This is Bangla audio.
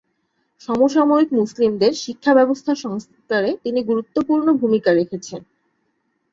সমসাময়িক মুসলিমদের শিক্ষাব্যবস্থা সংস্কারে তিনি গুরুত্বপূর্ণ ভূমিকা রেখেছেন।